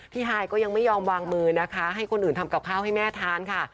ฮายก็ยังไม่ยอมวางมือนะคะให้คนอื่นทำกับข้าวให้แม่ทานค่ะ